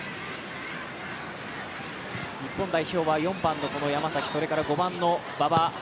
日本代表は４番の山崎、５番の馬場。